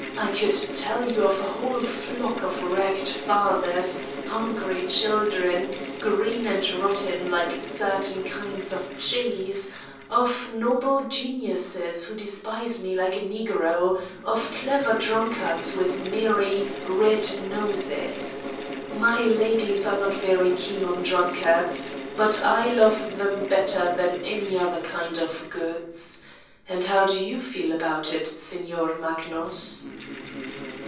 I could tell you of a whole flock of ragged fathers, hungry children, green and rotten like certain kinds of cheese, of noble geniuses who despise me like a negro, of clever drunkards with merry, red noses. ... My ladies are not very keen on drunkards, but I love them better than any other 110 Satan's Diary kind of goods. And how do you feel about it, Signer Magnus?"